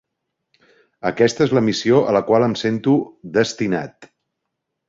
Aquesta és la missió a la qual em sento destinat.